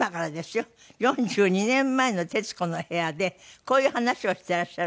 ４２年前の『徹子の部屋』でこういう話をしてらっしゃるんです。